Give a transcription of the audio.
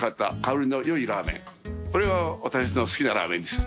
これは私の好きなラーメンです。